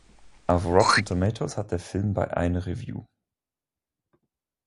Auf "Rotten Tomatoes" hat der Film bei eine Review.